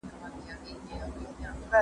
پهلواني اسانه لوبه نه ده.